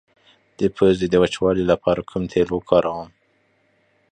د پوزې د وچوالي لپاره کوم تېل وکاروم؟